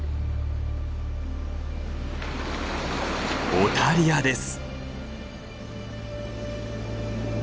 オタリアです。